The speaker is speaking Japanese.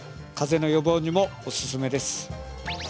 風邪の予防にもおすすめです。